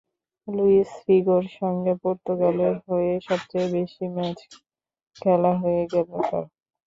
Luis ফিগোর সঙ্গে পর্তুগালের হয়ে সবচেয়ে বেশি ম্যাচ খেলা হয়ে গেল তাঁর।